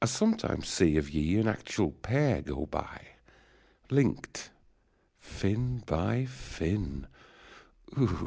1 sometimes see of ye an actual pair Go by ! link'd fin by fin